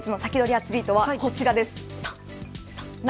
アツリートはこちらです。